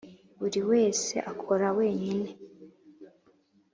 buri wese akora wenyine